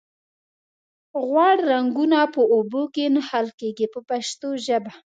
غوړ رنګونه په اوبو کې نه حل کیږي په پښتو ژبه.